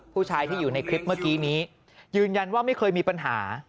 ผู้ชายที่อยู่ในคลิปเมื่อกี้นี้ยืนยันว่าไม่เคยมีปัญหา